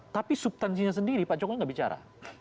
tapi subtansinya sendiri pak jokowi nggak bicara